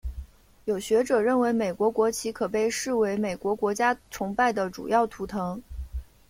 有学者认为美国国旗可被视为美国国家崇拜的主要图腾。